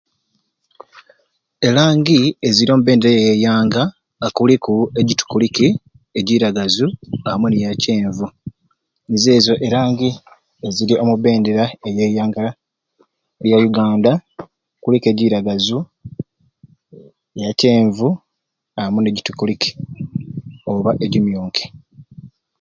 Elangi eziri omu bendera ya ianga kuliku egitukuliki egiiragazu amwe n'eyakyenvu nizo ezo elangi eziri omu bendera eyaianga lya Yuganda kuliku egiiragazu eyakyenvu amwe n'egitukuliki oba egimyuki.